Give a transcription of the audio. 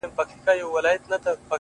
• نوم مي د ليلا په لاس کي وليدی؛